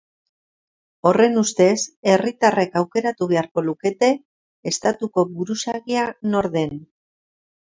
Horren ustez, herritarrek aukeratu beharko lukete estatuko buruzagia nor den.